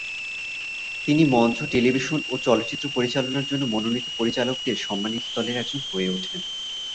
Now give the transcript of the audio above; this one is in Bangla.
তিনি মঞ্চ, টেলিভিশন ও চলচ্চিত্র পরিচালনার জন্য মনোনীত পরিচালকদের সম্মানিত দলের একজন হয়ে ওঠেন।